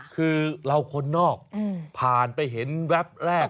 คือเราคนนอกผ่านไปเห็นแวบแรก